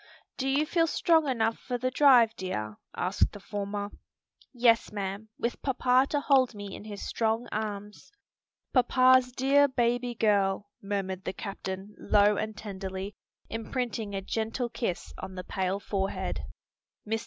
"Do you feel strong enough for the drive, dear?" asked the former. "Yes, ma'am; with papa to hold me in his strong arms." "Papa's dear baby girl!" murmured the captain low and tenderly, imprinting a gentle kiss on the pale forehead. Mr.